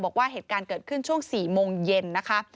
บอกว่าเหตุการณ์เกิดขึ้นช่วง๔โมงเย็นนะคะ